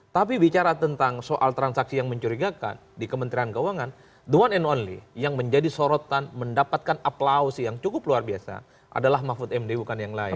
tapi bicara tentang soal transaksi yang mencurigakan di kementerian keuangan the one and only yang menjadi sorotan mendapatkan aplausi yang cukup luar biasa adalah mahfud md bukan yang lain